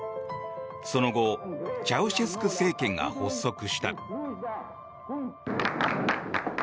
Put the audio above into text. その後チャウシェスク政権が発足した。